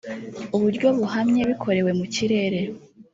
uburyo buhamye bikorewe mu kirere